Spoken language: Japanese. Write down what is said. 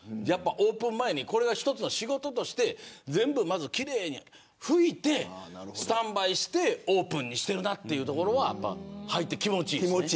オープン前に一つの仕事として全部、奇麗に拭いてスタンバイしてオープンしているなという所は入って気持ちいいです。